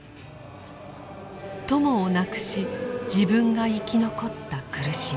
友を亡くし自分が生き残った苦しみ。